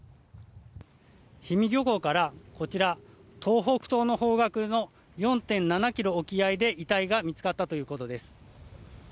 氷見漁港からこちら東北東の方角の４．７ｋｍの沖合で遺体が見つかったということです。